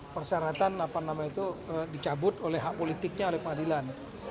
persyaratan itu dicabut oleh hak politiknya oleh pengadilan